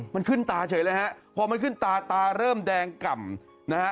มันขึ้นตาเฉยเลยฮะพอมันขึ้นตาตาเริ่มแดงก่ำนะฮะ